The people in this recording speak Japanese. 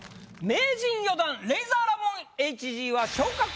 名人４段レイザーラモンＨＧは。